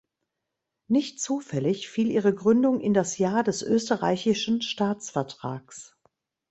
Nicht zufällig fiel ihre Gründung in das Jahr des österreichischen Staatsvertrags.